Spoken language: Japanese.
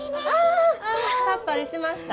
さっぱりしました？